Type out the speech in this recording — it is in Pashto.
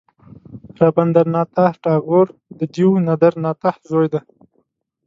رابندر ناته ټاګور د دیو ندر ناته زوی دی.